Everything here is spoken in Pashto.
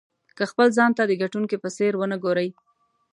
که خپل ځان ته د ګټونکي په څېر ونه ګورئ.